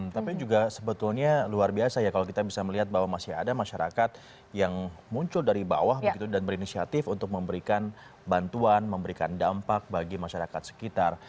tapi juga sebetulnya luar biasa ya kalau kita bisa melihat bahwa masih ada masyarakat yang muncul dari bawah begitu dan berinisiatif untuk memberikan bantuan memberikan dampak bagi masyarakat sekitar